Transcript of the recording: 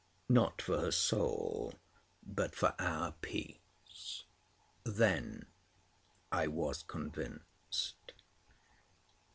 "Not for her soul, but for our peace. Then I was convinced."